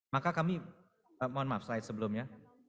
maka kami mohon maaf slide sebelumnya